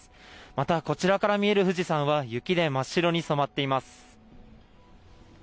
また、こちらから見える富士山は雪で真っ白に染まっています。